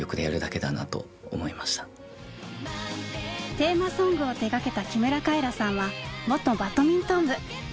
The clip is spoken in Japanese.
テーマソングを手がけた木村カエラさんは元バドミントン部。